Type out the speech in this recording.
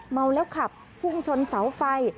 เมาแล้วขับพุ่งชนเสาไฟ